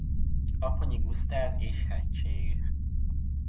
Apponyi Gusztáv és hg.